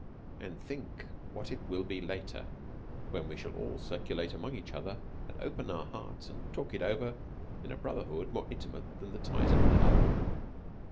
And think what it will be later, when we shall all circulate among each other and open our hearts and talk it over in a brotherhood more intimate than the ties of blood!